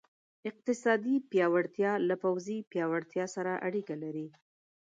اقتصادي پیاوړتیا له پوځي پیاوړتیا سره اړیکه لري.